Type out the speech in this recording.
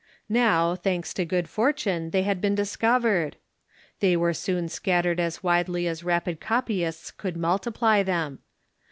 Now, thanks to good fortune, they had been discovered. They were soon scattered as widely as rapid copyists could multiply them.